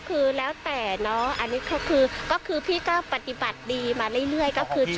ก็คือแล้วแต่พี่ก็ปฏิบัติดีมาเรื่อย